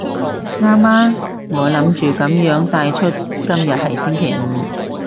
啱啊，我諗住噉樣帶出今日係星期五